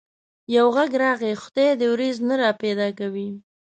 يو غږ راغی: خدای دي وريځ نه را پيدا کوي.